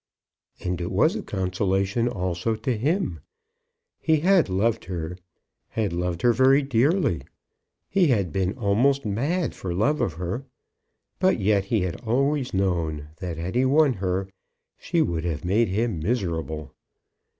And it was a consolation also to him. He had loved her, had loved her very dearly. He had been almost mad for love of her. But yet he had always known, that had he won her she would have made him miserable.